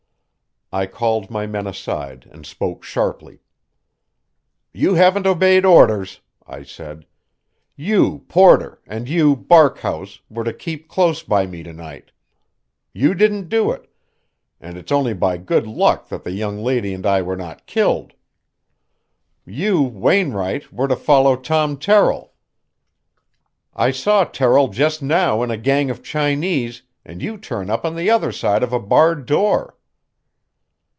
I called my men aside and spoke sharply. "You haven't obeyed orders," I said. "You, Porter, and you, Barkhouse, were to keep close by me to night. You didn't do it, and it's only by good luck that the young lady and I were not killed. You, Wainwright, were to follow Tom Terrill. I saw Terrill just now in a gang of Chinese, and you turn up on the other side of a barred door."